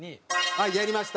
はいやりました。